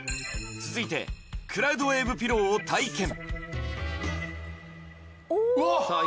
続いてクラウドウェーブピローを体験おおっさあ